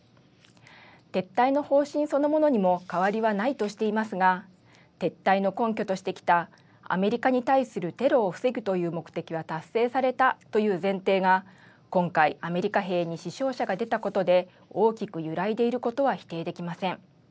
撤退の方針そのものにも変わりはないとしていますが、撤退の根拠としてきたアメリカに対するテロを防ぐという目的は達成されたという前提が今回、アメリカ兵に死傷者が出たことで、大きく揺らいでいることは否定できません。